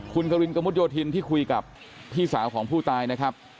คุณกรินกระมุดโยธินที่คุยกับพี่สาวของผู้ตายนะครับ